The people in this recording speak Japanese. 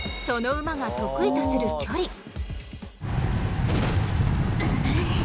その馬が得意とする距離。